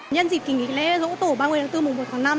nhân dịp kỳ nghỉ lễ dỗ tổ ba mươi tháng bốn mùa một tháng năm